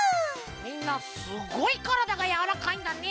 みんなすごいからだがやわらかいんだね。